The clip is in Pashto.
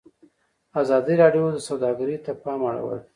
ازادي راډیو د سوداګري ته پام اړولی.